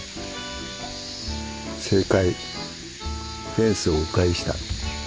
正解フェンスをう回した。